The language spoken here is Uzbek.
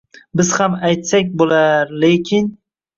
Biz ham aytsak bo’lar, lekin